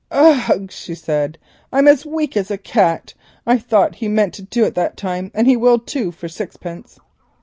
"Ugh," she said, "I'm as weak as a cat. I thought he meant to do it that time, and he will too, for sixpence.